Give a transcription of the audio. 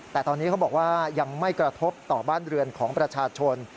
แต่ตอนนี้เขาบอกว่ายังไม่กระทบต่อบ้านเรือนของประชาชน